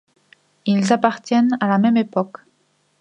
Ils appartiennent à la même époque.